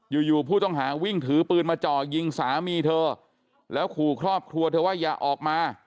อยู่อยู่ผู้ต้องหาวิ่งถือปืนมาจ่อยิงสามีเธอแล้วขู่ครอบครัวเธอว่าอย่าออกมา